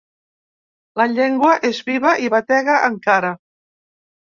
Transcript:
La llengua és viva i batega encara.